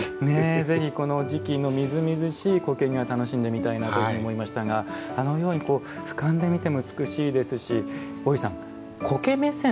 ぜひこの時期のみずみずしい苔庭、楽しんでみたいなと思いましたがあのようにふかんで見ても美しいですし大石さん、苔目線